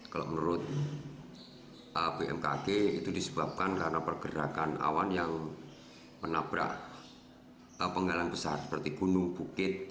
kalau menurut bmkg itu disebabkan karena pergerakan awan yang menabrak penggalang besar seperti gunung bukit